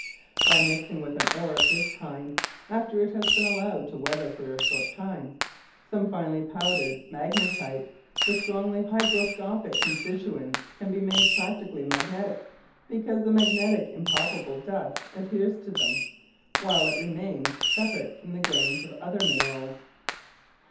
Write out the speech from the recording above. By mixing with an ore of this kind after it has been allowed to "weather" for a short time some finely powdered magnetite the strongly hygroscopic constituents can be made practically magnetic, because the magnetic impalpable dust adheres to them, while it remains separate from the grains of the other minerals.